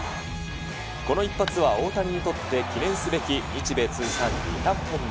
この一発は大谷にとって記念すべき日米通算２００本目。